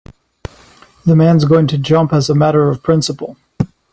This man's going to jump as a matter of principle.